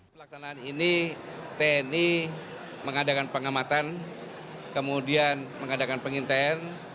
pelaksanaan ini tni mengadakan pengamatan kemudian mengadakan penginten